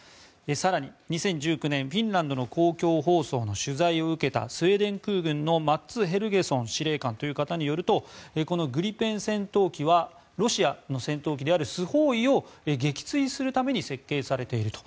更に、２０１９年フィンランドの公共放送の取材を受けたスウェーデン空軍のマッツ・ヘルゲソン司令官という方によるとグリペン戦闘機はロシアの戦闘機であるスホーイを撃墜するために設計されていると。